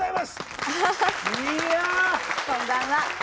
こんばんは。